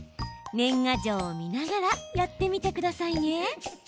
年賀状を見ながらやってみてくださいね。